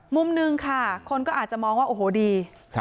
มุมหนึ่งค่ะคนก็อาจจะมองว่าโอ้โหดี